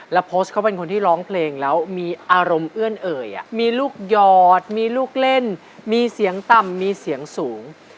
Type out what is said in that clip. แล้วโพสต์เขาเป็นคนที่ร้องเพลงแล้วมีอารมณ์เอื้อนเอ่ยมีลูกหยอดมีลูกเล่นมีเสียงต่ำมีเสียงสูง